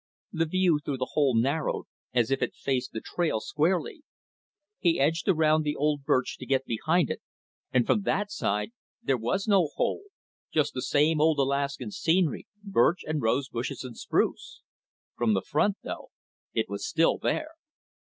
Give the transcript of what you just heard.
The view through the hole narrowed, as if it faced the trail squarely. He edged around the old birch to get behind it, and from that side there was no hole, just the same old Alaskan scenery, birch and rose bushes and spruce. From the front, though, it was still there.